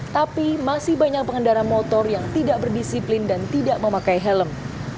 tapi masih banyak pengendara motor yang tidak berdisiplin dan tidak memakai helm